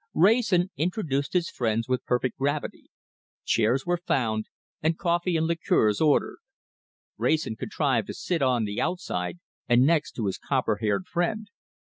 Wrayson introduced his friends with perfect gravity. Chairs were found, and coffee and liqueurs ordered. Wrayson contrived to sit on the outside, and next to his copper haired friend.